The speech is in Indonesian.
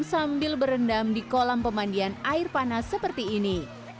sambil berendam di kolam pemandian air panas seperti ini